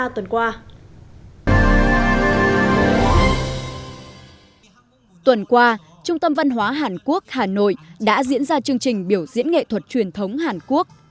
tuần qua trung tâm văn hóa hàn quốc hà nội đã diễn ra chương trình biểu diễn nghệ thuật truyền thống hàn quốc